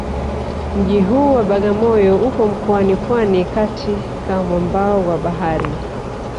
Mji huu wa Bagamoyo upo mkoani Pwani katika mwambao wa bahari